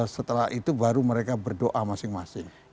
setelah itu baru mereka berdoa masing masing